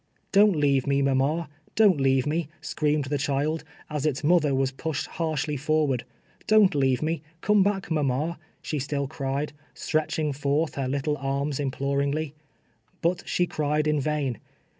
" Don't leave me, mama — don't leave me," scream ed the child, as its mother was pushed harshly for ward ;" Don't leave me — come back, mama," she still cried, stretching forth her little arms imploringly. But she cried in vain.